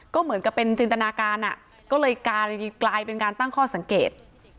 ก็เหมือนกับเป็นจินตนาการก็เลยกลายเป็นการตั้งข้อสังเกต